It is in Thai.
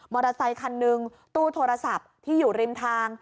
อเตอร์ไซคันหนึ่งตู้โทรศัพท์ที่อยู่ริมทาง